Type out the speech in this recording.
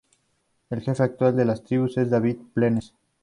El jefe actual de la tribu es David Planes.